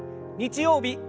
日曜日